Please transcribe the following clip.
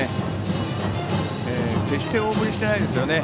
決して大振りしてないですよね。